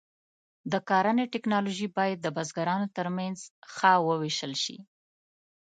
د کرنې ټکنالوژي باید د بزګرانو تر منځ ښه وویشل شي.